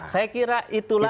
saya kira itulah